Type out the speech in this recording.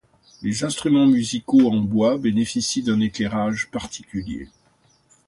Les instruments musicaux en bois bénéficient d'un éclairage particulier.